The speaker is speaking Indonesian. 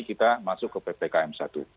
kita masuk ke ppkm satu